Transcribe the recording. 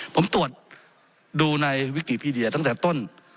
ผมตรวจดูในวิกิพีเดียตั้งแต่ต้น